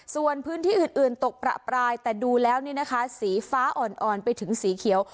ส่วนพื้นที่อื่นตกประปรายแต่ดูแล้วนี่นะคะสีฟ้าอ่อนไปถึงสีเขียว